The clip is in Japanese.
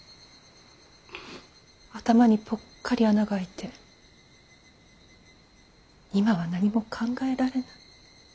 頭にぽっかり穴が開いて今は何も考えられない。